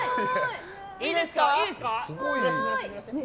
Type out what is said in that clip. いいですか？